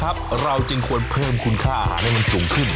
ครับเราจึงควรเพิ่มคุณค่าอาหารให้มันสูงขึ้น